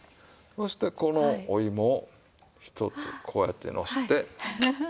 そしてこのお芋をひとつこうやってのせて。